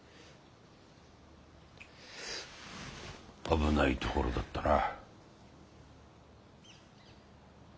危ないところだったな。